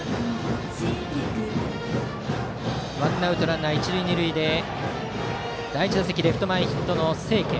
ワンアウトランナー、一塁二塁で第１打席レフト前ヒットの清家。